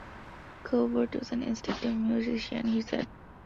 "Gaubert was an instinctive musician," he said.